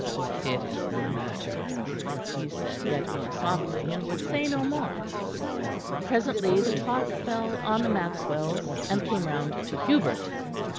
"It is no matter," he said yet more softly; and would say no more. Presently the talk fell on the Maxwells; and came round to Hubert.